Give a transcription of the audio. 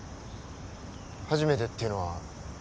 「初めて」っていうのは